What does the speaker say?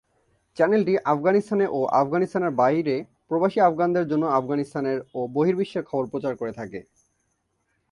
চ্যানেলটি আফগানিস্তানে ও আফগানিস্তানের বাইরে প্রবাসী আফগানদের জন্য আফগানিস্তানের ও বহির্বিশ্বের খবর প্রচার করে থাকে।